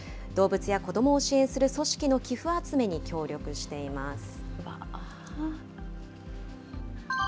動物や子どもを支援する組織の寄付集めに協力しています。